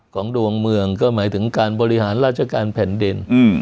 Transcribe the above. ดวงเมืองก็หมายถึงการบริหารราชการแผ่นดิน